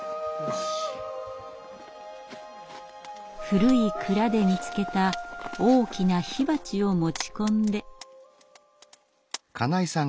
古い蔵で見つけた大きな火鉢を持ち込んで。